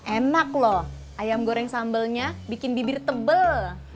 enak lho ayam goreng sambelnya bikin bibir tebel